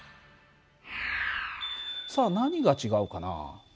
さあ何が違うかな？